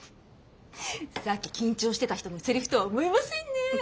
さっき緊張してた人のセリフとは思えませんね。